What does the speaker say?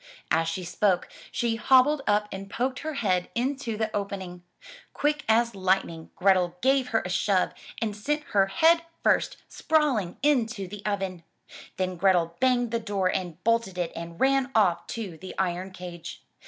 As she spoke, she hobbled up and poked her head into the opening. Quick as lightning Grethel gave her a shove and sent her head first, sprawling, into the oven. Then Grethel banged the door and bolted it and ran off to the iron cage.